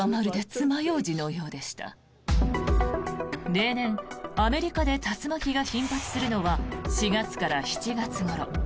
例年アメリカで竜巻が頻発するのは４月から７月ごろ。